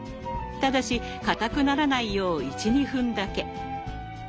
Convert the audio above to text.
ただしかたくならないよう１２分だけ。